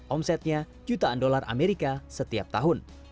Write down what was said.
omsetnya jutaan dolar amerika setiap tahun